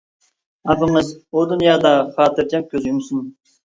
ئاپىڭىز ئۇ دۇنيادا خاتىرجەم كۆز يۇمسۇن.